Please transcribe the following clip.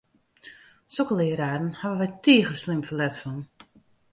Sokke leararen hawwe wy tige slim ferlet fan!